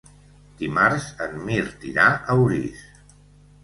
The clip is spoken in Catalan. Dimarts en Mirt irà a Orís.